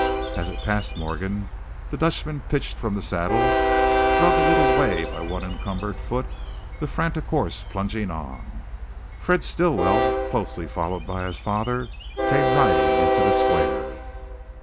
As it passed Morgan the Dutchman pitched from the saddle, drug a little way by one encumbered foot, the frantic horse plunging on. Fred Stilwell, closely followed by his father, came riding into the square.